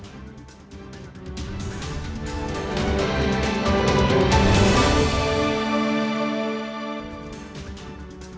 kita telah bersamakan